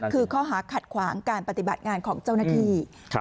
คือข้อหาขัดขวางการปฏิบัติงานของเจ้าหน้าที่